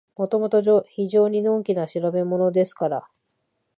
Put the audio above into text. もともと非常にのんきな調べものですから、